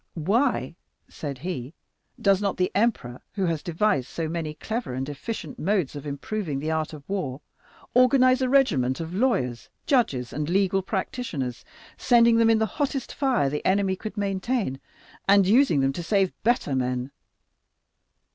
'Why,' said he, 'does not the emperor, who has devised so many clever and efficient modes of improving the art of war, organize a regiment of lawyers, judges and legal practitioners, sending them in the hottest fire the enemy could maintain, and using them to save better men?